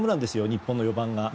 日本の４番が。